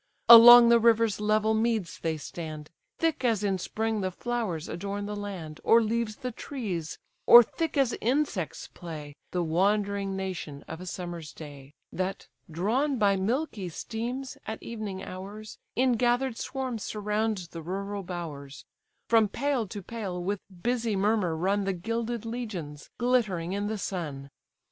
Along the river's level meads they stand, Thick as in spring the flowers adorn the land, Or leaves the trees; or thick as insects play, The wandering nation of a summer's day: That, drawn by milky steams, at evening hours, In gather'd swarms surround the rural bowers; From pail to pail with busy murmur run The gilded legions, glittering in the sun.